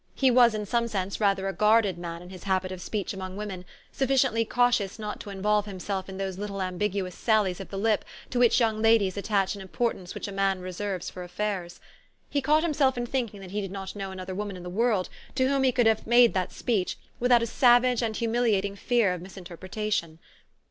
He was in some sense rather a guarded man in his habit of speech among women, sufficiently cautious not to involve himself in those little ambiguous sallies of the lip to which young ladies attach an importance which a man reserves for affairs. He caught himself in thinking that he did not know another woman in the world to whom he could have made that speech without a savage and humiliating fear of misinterpretation.